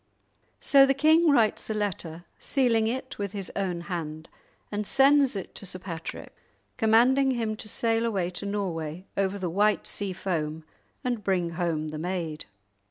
So the king writes a letter, sealing it with his own hand, and sends it to Sir Patrick, commanding him to sail away to Norway over the white sea foam and bring home the maid.